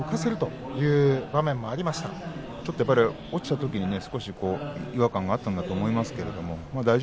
ちょっと落ちたときに違和感があったんだと思います